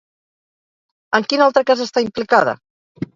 En quin altre cas està implicada?